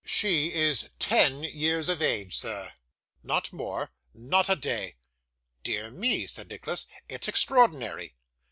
'She is ten years of age, sir.' 'Not more!' 'Not a day.' 'Dear me!' said Nicholas, 'it's extraordinary.